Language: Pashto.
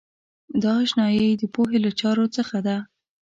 دا آشنایۍ د پوهې له چارو څخه ده.